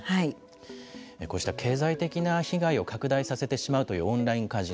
こうした経済的な被害を拡大させてしまうというオンラインカジノ。